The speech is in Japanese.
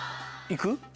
行く。